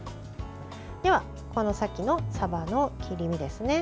では、さっきのさばの切り身ですね。